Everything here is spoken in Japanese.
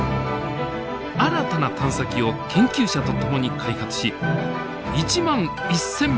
新たな探査機を研究者と共に開発し１万１，０００